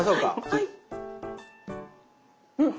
はい。